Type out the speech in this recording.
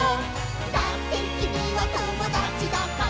「だってきみはともだちだから」